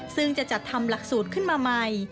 ซึ่งจะจัดทำหลักสูตรขึ้นมาใหม่